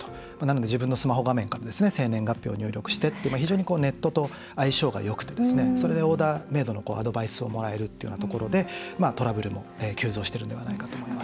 自分のスマートフォンから生年月日を入力してと非常にネットと相性がよくてそれでオーダーメードのアドバイスをもらえるということでトラブルも急増しているのではないかと思います。